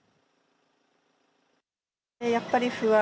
やっぱり不安。